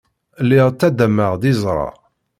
Lliɣ ttaddameɣ-d iẓra.